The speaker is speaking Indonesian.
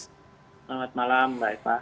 selamat malam mbak eva